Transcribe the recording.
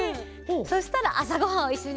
そしたらあさごはんをいっしょにたべよっかな。